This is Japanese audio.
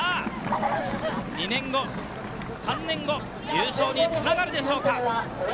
２年後、３年後、優勝に繋がるでしょうか。